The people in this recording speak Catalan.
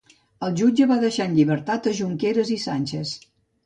El jutge va deixar en llibertat a Junqueras i Sánchez.